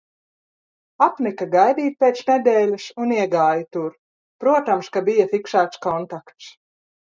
Apnika gaidīt pēc nedēļas un iegāju tur, protams, ka bija fiksēts kontakts.